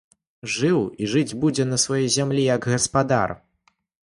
Жыў і жыць будзе на сваёй зямлі як гаспадар!